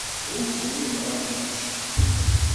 Ur ttxemmimeɣ am kečč.